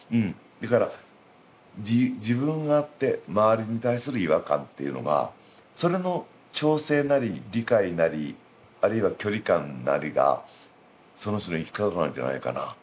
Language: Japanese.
だから自分があって周りに対する違和感っていうのがそれの調整なり理解なりあるいは距離感なりがその人の生き方なんじゃないかな。